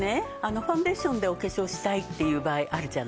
ファンデーションでお化粧したいっていう場合あるじゃないですか。